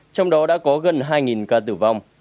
trong đó đã có gần hai ca tử vong